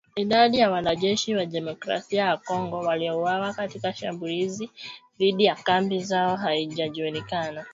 Idadi ya wanajeshi wa Demokrasia ya Kongo waliouawa katika shambulizi dhidi ya kambi zao haijajulikana